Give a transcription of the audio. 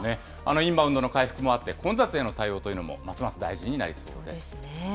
インバウンドの回復もあって、混雑への対応というのもますます大そうですね。